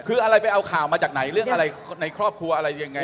คืออะไรไปเอาข่าวมาจากไหนเรื่องอะไรในครอบครัวอะไรยังไง